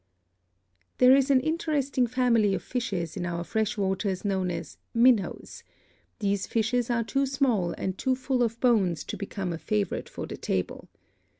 There is an interesting family of fishes in our fresh waters known as Minnows; these fishes are too small and too full of bones to become a favorite for the table.